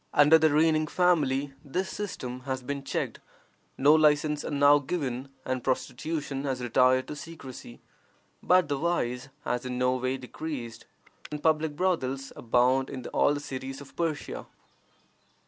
Under the reigning family this system has been checked; no licenses are now given, and prostitution has retired to secrecy. But the vice has in no way decreased, and public brothels abound in all the cities of Persia.